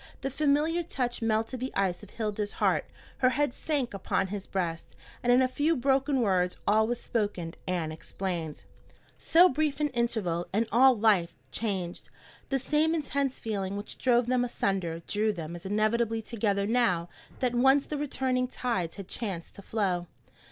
The familiar touch melted the ice of Hilda's heart, her head sank upon his breast, and in a few broken words all was spoken and explained. So brief an interval and all life changed! The same intense feeling which drove them asunder drew them as inevitably together now that once the returning tides had chance to flow.